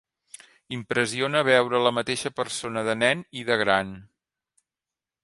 Impressiona veure la mateixa persona de nen i de gran!